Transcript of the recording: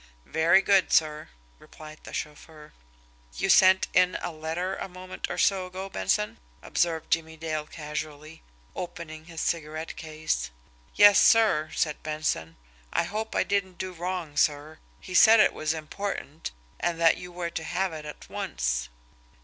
"Very good, sir," replied the chauffeur. "You sent in a letter a moment or so ago, Benson?" observed Jimmie Dale casually, opening his cigarette case. "Yes, sir," said Benson. "I hope I didn't do wrong, sir. He said it was important, and that you were to have it at once."